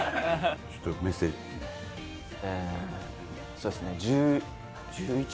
そうですね。